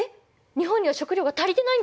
日本には食料が足りてないんですか？